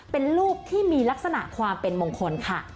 เป็นรูปที่มีลักษณะความเป็นมงคลค่ะ